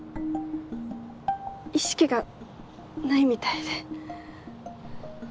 意識がないみたいで。